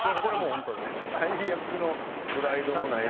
最悪の。